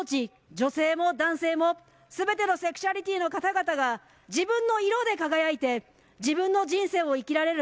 女性も男性もすべてのセクシャリティーの方々が自分の色で輝いて自分の人生を生きられる。